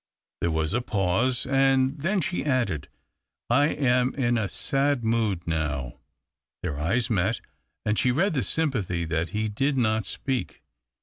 There was a pause, and then she added, " 1 am in a sad mood now." Their eyes met, and she read the sympathy that he did not speak.